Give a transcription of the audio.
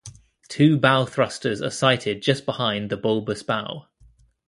Two bow thrusters are sited just behind the bulbous bow.